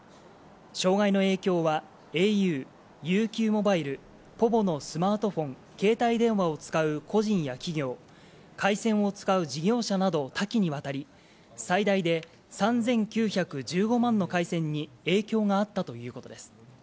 障害の影響はａｕ、ＵＱモバイル、ｐｏｖｏのスマートフォン、携帯電話を使う個人や企業、回線を使う事業者など、多岐にわたり、最大で３９１５万の回線に影響があったということです。